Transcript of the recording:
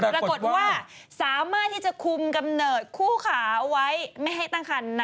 ปรากฏว่าสามารถที่จะคุมกำเนิดคู่ขาเอาไว้ไม่ให้ตั้งคันนะ